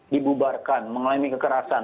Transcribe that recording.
dibubarkan mengalami kekerasan